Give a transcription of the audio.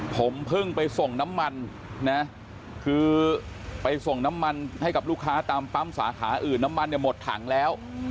ผมเพิ่งไปส่งน้ำมันนะคือไปส่งน้ำมันให้กับลูกค้าตามปั๊มสาขาอื่นน้ำมันเนี่ยหมดถังแล้ว